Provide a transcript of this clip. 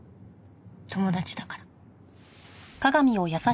友達だから。